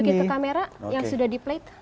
mungkin juga kita kamera yang sudah di plate